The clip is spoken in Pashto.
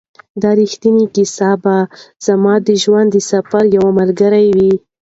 دا ریښتینې کیسه به زما د ژوند د سفر یو ملګری وي.